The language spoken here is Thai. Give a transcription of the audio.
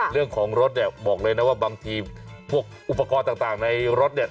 เรื่องของรถเนี่ยบอกเลยนะว่าบางทีพวกอุปกรณ์ต่างในรถเนี่ย